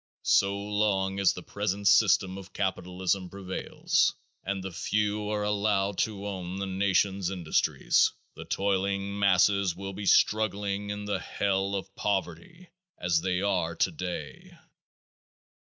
So long as the present system of capitalism prevails and the few are allowed to own the nation's industries, the toiling masses will be struggling in the hell of poverty as they are today.